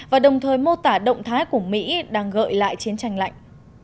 và đồng thời mô tả động thái của mỹ đang gợi lại chiến tranh lạnh